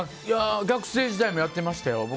学生時代もやってましたよ。